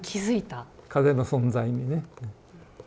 風の存在にね。